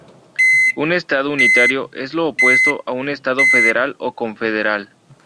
Un estado unitario es lo opuesto a un estado federal o confederal.